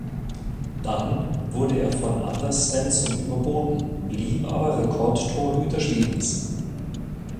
Dann wurde er von Anders Svensson überboten, blieb aber Rekord-Torhüter Schwedens.